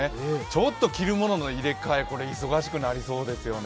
ちょっと着るものの入れ替え、忙しくなりそうですね。